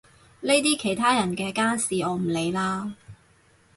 呢啲其他人嘅家事我唔理啦